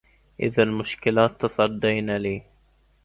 إذا المشكلات تصدين لي